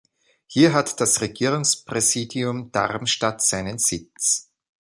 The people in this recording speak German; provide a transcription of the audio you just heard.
Hier hat das Regierungspräsidium Darmstadt seinen Sitz.